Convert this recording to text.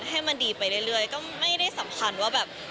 ให้มันดีก็โอเคแล้ว